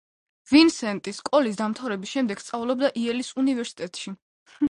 ვინსენტი სკოლის დამთავრების შემდეგ სწავლობდა იელის უნივერსიტეტში.